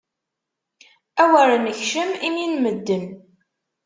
Awer nekcem imi n medden!